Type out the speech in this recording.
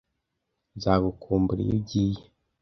Nzagukumbura iyo ugiye.